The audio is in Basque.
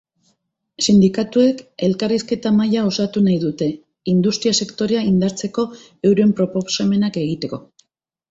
Sindikatuek elkarrizketa mahaia osatu nahi dute, industria sektorea indartzeko euren proposamenak egiteko.